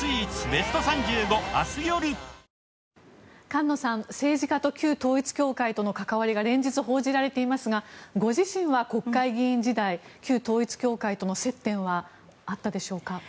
菅野さん、政治家と旧統一教会との関わりが連日、報じられていますがご自身は国会議員時代旧統一教会との接点はあったでしょうか？